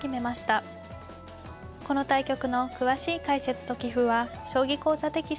この対局の詳しい解説と棋譜は「将棋講座」テキストに掲載します。